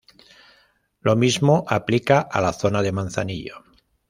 Lo mismo aplica a la zona de Manzanillo.